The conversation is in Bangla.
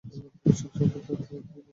তুমি সবসময় ভেতরে থেনাই থাকবে।